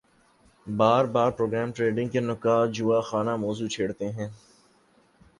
باربار program trading کے نقّاد جواخانہ موضوع چھیڑتے ہیں